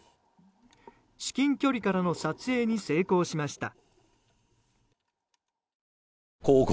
至近距離からの撮影に成功しました。